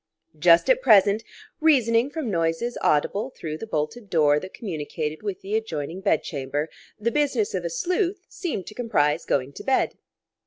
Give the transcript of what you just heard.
Just at present, reasoning from noises audible through the bolted door that communicated with the adjoining bed chamber, the business of a sleuth seemed to comprise going to bed.